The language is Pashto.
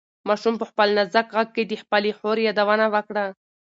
ماشوم په خپل نازک غږ کې د خپلې خور یادونه وکړه.